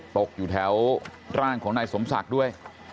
ตกอยู่แถวร่างของนายสมศักดิ์ด้วย